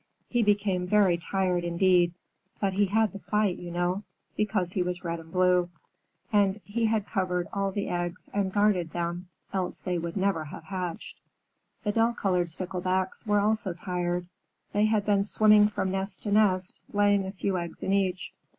He became very tired indeed; but he had to fight, you know, because he was red and blue. And he had covered all the eggs and guarded them, else they would never have hatched. The dull colored Sticklebacks were also tired. They had been swimming from nest to nest, laying a few eggs in each.